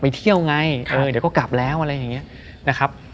เที่ยวไงเออเดี๋ยวก็กลับแล้วอะไรอย่างนี้นะครับ